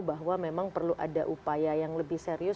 bahwa memang perlu ada upaya yang lebih serius